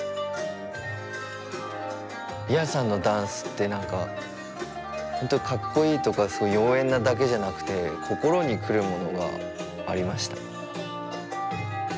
Ｒｈｉａさんのダンスって何かホントかっこいいとか妖艶なだけじゃなくて心にくるものがありました。